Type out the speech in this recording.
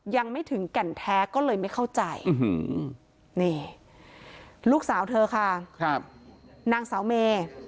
ยังไม่ถึงแก่นแท้ก็เลยไม่เข้าใจนี่ลูกสาวเธอค่ะนางสาวเมย์